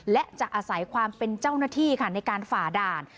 และจะอาศัยความเป็นเจ้าหน้าที่ค่ะในการฝ่าด่าน